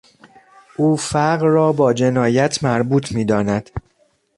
او فقر را با جنایت مربوط میداند.